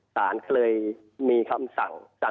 สารเคยมีคำสั่ง